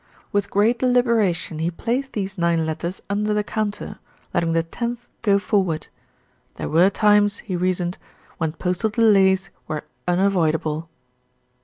With great deliberation, he placed these nine letters under the counter, letting the tenth go forward. There were times, he reasoned, when postal delays were un avoidable.